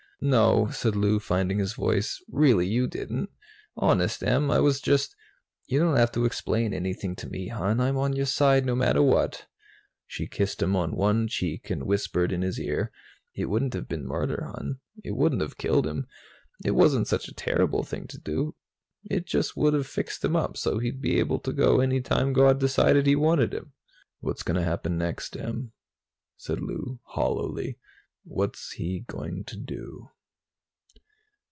"No," said Lou, finding his voice, "really you didn't. Honest, Em, I was just " "You don't have to explain anything to me, hon. I'm on your side, no matter what." She kissed him on one cheek and whispered in his ear, "It wouldn't have been murder, hon. It wouldn't have killed him. It wasn't such a terrible thing to do. It just would have fixed him up so he'd be able to go any time God decided He wanted him." "What's going to happen next, Em?" said Lou hollowly. "What's he going to do?"